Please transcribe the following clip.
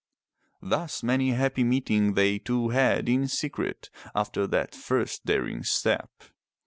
Thus many a happy meeting they two had in secret after that first daring step.